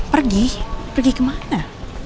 pergi pergi kemana